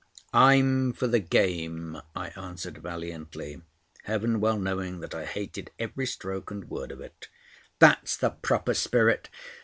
"I'm for the game," I answered valiantly; Heaven well knowing that I hated every stroke and word of it. "That's the proper spirit.